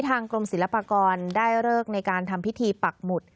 ทางกรมศิลปากรได้เลิกในการทำพิธีปักหมุด